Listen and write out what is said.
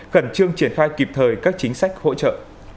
khẩn trương triển khai kịp thời các chính sách hỗ trợ